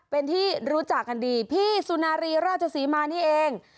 เป็นที่รู้จักกันดีพี่สุนารีราชศรีมานี่เอง